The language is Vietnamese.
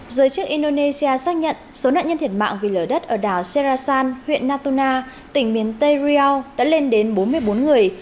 giới chức indonesia xác nhận số nạn nhân thiệt mạng vì lở đất ở đảo serasan huyện natuna tỉnh miền tây rio đã lên đến bốn mươi bốn người